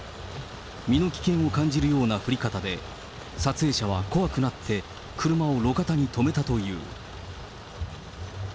身の危険を感じるような降り方で、撮影者は怖くなって、車を路肩に止めたという。